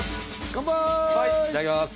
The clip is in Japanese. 乾杯いただきます